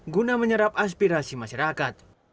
guna menyerap aspirasi masyarakat